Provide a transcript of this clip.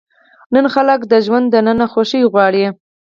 نن خلک د ژوند دننه خوښي غواړي.